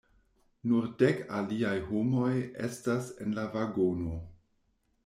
Nur dek aliaj homoj estas en la vagono.